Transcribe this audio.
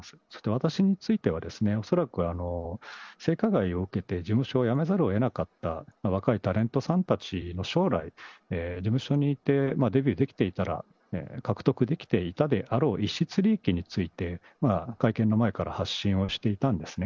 私についてはですね、恐らく性加害を受けて事務所をやめざるをえなかった若いタレントさんたちの将来、事務所にいてデビューできていたら獲得できていたであろう逸失利益について、会見の前から発信をしていたんですね。